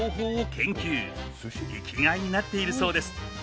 生きがいになっているそうです。